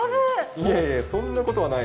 いえいえ、そんなことはない